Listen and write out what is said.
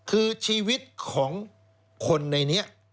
คือชีวิตของคนในนี้